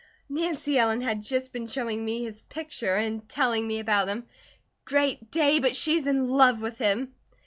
"Nancy Ellen had just been showing me his picture and telling me about him. Great Day, but she's in love with him!"